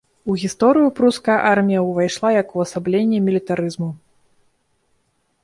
У гісторыю пруская армія ўвайшла як увасабленне мілітарызму.